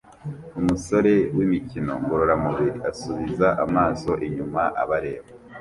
Umusore w'imikino ngororamubiri asubiza amaso inyuma abareba